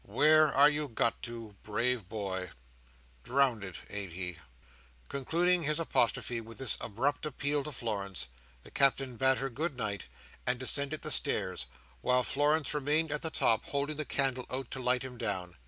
Where are you got to, brave boy? Drownded, ain't he?" Concluding his apostrophe with this abrupt appeal to Florence, the Captain bade her good night, and descended the stairs, while Florence remained at the top, holding the candle out to light him down.